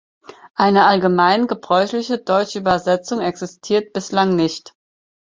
Eine allgemein gebräuchliche deutsche Übersetzung existiert bislang nicht.